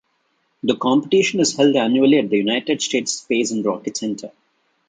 The competition is held annually at the United States Space and Rocket Center.